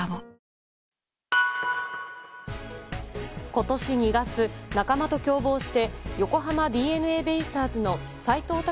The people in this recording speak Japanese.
今年２月、仲間と共謀して横浜ＤｅＮＡベイスターズの斎藤隆